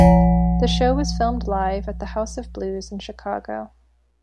The show was filmed live at the House of Blues in Chicago.